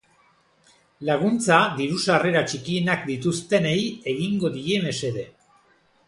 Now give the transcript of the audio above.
Laguntzak diru-sarrera txikienak dituztenei egingo die mesede.